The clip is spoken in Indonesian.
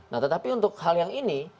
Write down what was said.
nah tetapi untuk hal yang ini